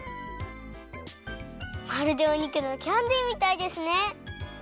まるでお肉のキャンディーみたいですね！